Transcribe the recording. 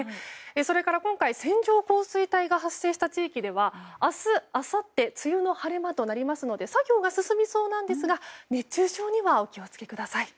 それから、今回線状降水帯が発生した地域では明日、あさって梅雨の晴れ間となりますので作業が進みそうなんですが熱中症にはお気を付けください。